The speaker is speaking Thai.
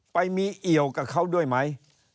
ไปมีเอี่ยวกับเขาด้วยไหม